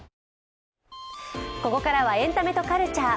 ここからはエンタメとカルチャー。